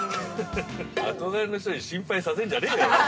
◆憧れの人に心配させんじゃねーよ。